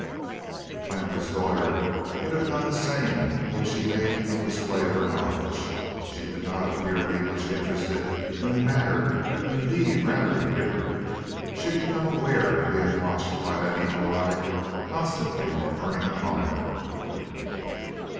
The planter's daughter could have done the same; though she made no display of her knowledge. She did not appear to be much interested in the matter indeed, rather indifferent. She had become aware of being watched by that evil eye, constantly burning upon her.